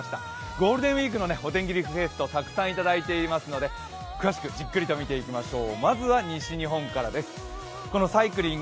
ゴールデンウイークのお天気リクエストたくさんいただいていますので詳しくじっくりと見ていきましょう。